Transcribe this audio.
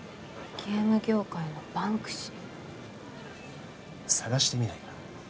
ゲーム業界のバンクシー捜してみないか？